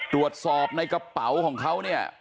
ตรวจสอบในกระเป๋าของเขาเนี่ย